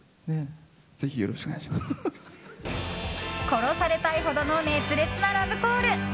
殺されたいほどの熱烈なラブコール。